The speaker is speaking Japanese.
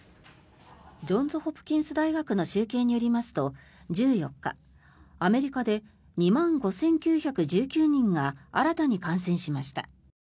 ジョンズ・ホプキンス大学の集計によりますと１４日アメリカで２万５９１９人が新たに感染しました。